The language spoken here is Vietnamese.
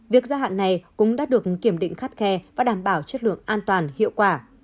việc gia hạn này cũng đã được kiểm định khắt khe và đảm bảo chất lượng an toàn hiệu quả